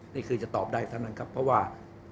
นี่คือจะตอบได้เท่านั้นครับเพราะว่า